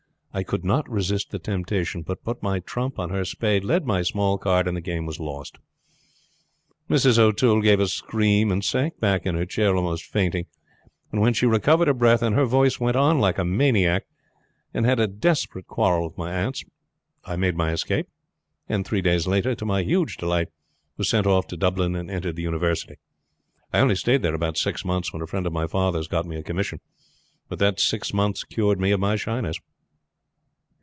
I could not resist the temptation, but put my trump on her spade, led my small card, and the game was lost. Mrs. O'Toole gave a scream and sank back in her chair almost fainting, and when she recovered her breath and her voice went on like a maniac, and had a desperate quarrel with my aunts. I made my escape, and three days later, to my huge delight, was sent off to Dublin and entered the university. I only stayed there about six months, when a friend of my father's got me a commission; but that six months cured me of my shyness."